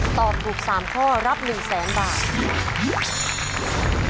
ตอบถูก๓ข้อรับ๑๐๐๐๐๐บาท